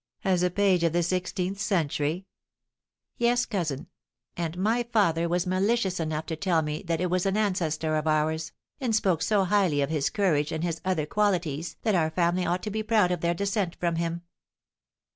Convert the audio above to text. "As a page of the sixteenth century?" "Yes, cousin; and my father was malicious enough to tell me that it was an ancestor of ours, and spoke so highly of his courage and his other qualities that our family ought to be proud of their descent from him."